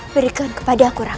berikan kami perhatian puppies